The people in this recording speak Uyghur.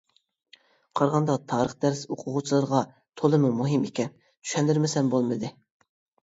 قارىغاندا تارىخ دەرسى ئوقۇغۇچىلارغا تولىمۇ مۇھىم ئىكەن، چۈشەندۈرمىسەم بولمىدى.